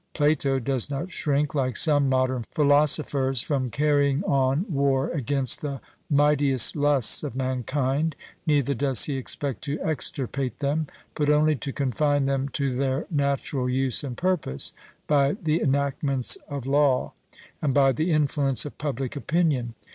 Plato does not shrink, like some modern philosophers, from 'carrying on war against the mightiest lusts of mankind;' neither does he expect to extirpate them, but only to confine them to their natural use and purpose, by the enactments of law, and by the influence of public opinion.